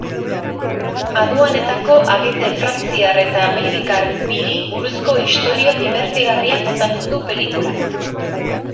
Aduanetako agente frantziar eta belgikar biri buruzko istorio dibertigarria kontatzen du pelikulak.